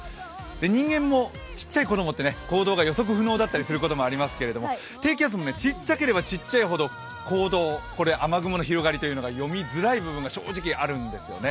人間もちっちゃい子供って行動が予測不能だったりすることもありますけれども、低気圧もちっちゃければちっちゃいほど、行動、雨雲の広がりが読みづらい部分が正直、あるんですね。